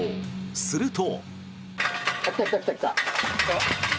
すると。